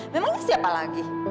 memangnya siapa lagi